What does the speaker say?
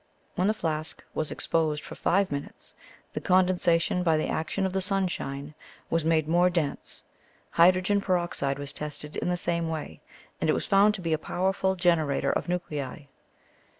When the flask was exposed for five minutes, the condensation by the action of the sunshine was made more dense. Hydrogen peroxide was tested in the same way, and it was found to be a powerful generator of nuclei.